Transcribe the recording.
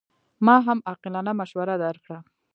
ما هم عاقلانه مشوره درکړه.